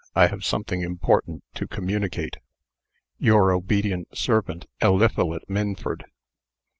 I have something important to communicate. Your obedient servant, ELIPHALET MINFORD."